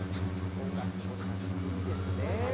音楽もこれ、懐かしいですね。